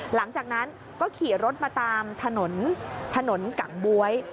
หลังจากนั้นก็ขี่รถมาตามถนนถนนกังบ๊วย